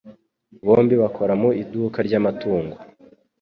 Bombi bakora mu iduka ryamatungo